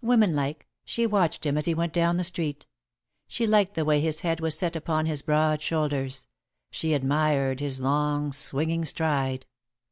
Woman like, she watched him as he went down the street. She liked the way his head was set upon his broad shoulders; she admired his long, swinging stride.